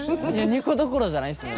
２個どころじゃないですね